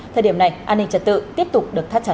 thời điểm này an ninh trật tự tiếp tục được thắt chặt